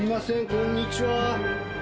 こんにちは。